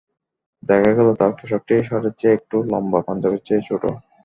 দেখা গেল, তাঁর পোশাকটি শার্টের চেয়ে একটু লম্বা, পাঞ্জাবির চেয়ে ছোট।